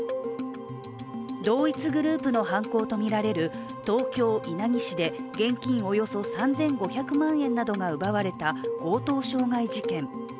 同一グループの犯行とみられる東京・稲城市で現金およそ３５００万円などが奪われた強盗傷害事件。